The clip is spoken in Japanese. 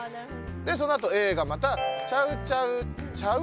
でそのあとＡがまた「チャウチャウちゃう？」